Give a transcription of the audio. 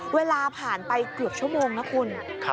เวลาผ่านไปเกือบชั่วโมงนะคุณ